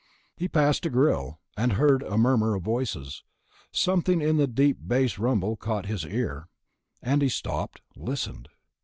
He passed a grill, and heard a murmur of voices; something in the deep bass rumble caught his ear, and he stopped, listened.